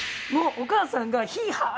もうお母さんがヒーハー！